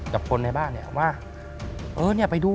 กับคนในบ้านว่า